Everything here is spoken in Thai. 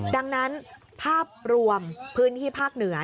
ดังนั้นภาพรวมพื้นที่ภาคเหนือ